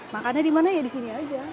makannya dimana ya di sini aja